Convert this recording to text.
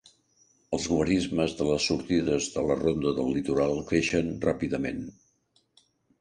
Els guarismes de les sortides de la Ronda del Litoral creixen ràpidament.